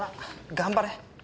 頑張れ。